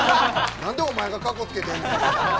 何でお前がかっこつけてんねん！